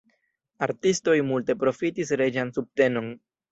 Artistoj multe profitis reĝan subtenon.